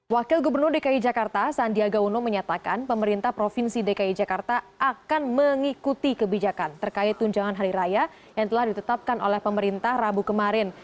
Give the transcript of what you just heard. wakil gubernur dki jakarta sandiaga uno menyatakan pemerintah provinsi dki jakarta akan mengikuti kebijakan terkait tunjangan hari raya yang telah ditetapkan oleh pemerintah rabu kemarin